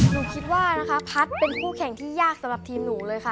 หนูคิดว่านะคะพัฒน์เป็นคู่แข่งที่ยากสำหรับทีมหนูเลยค่ะ